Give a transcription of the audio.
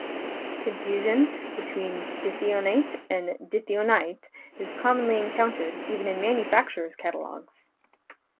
Confusion between dithionate and dithionite is commonly encountered, even in manufacturers' catalogues.